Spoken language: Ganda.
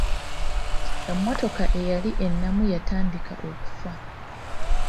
Emmotoka eyali ennamu yatandika okufa.